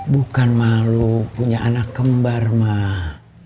bukan malu punya anak kembar mah